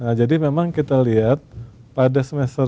nah jadi memang kita lihat pada semester dua dua ribu tiga belas